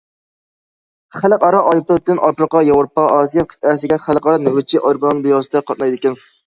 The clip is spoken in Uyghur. خەلقئارا ئايروپورتىدىن ئافرىقا، ياۋروپا، ئاسىيا قىتئەسىگە خەلقئارا نۆۋەتچى ئايروپىلان بىۋاسىتە قاتنايدىكەن.